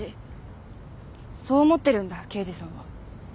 そう思ってるんだ刑事さんは。